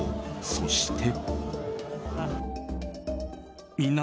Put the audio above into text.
そして。